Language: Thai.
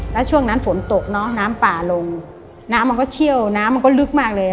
แล้วช่วงนั้นฝนตกเนอะน้ำป่าลงน้ำมันก็เชี่ยวน้ำมันก็ลึกมากเลย